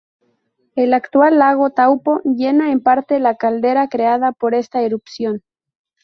El actual lago Taupo llena, en parte, la caldera creada por esta erupción.